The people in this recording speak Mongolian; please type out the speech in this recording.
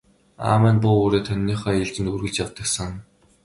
Аав маань буу үүрээд хониныхоо ээлжид үргэлж явдаг сан.